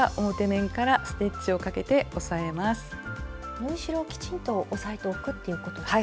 縫い代をきちんと押さえておくっていうことですか。